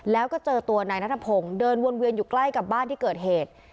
แล้วก็เจอตัวนายนัทพงศ์เดินวนเวียนอยู่ใกล้กับบ้านที่เกิดเหตุ